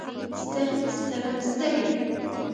ستر ستره سترې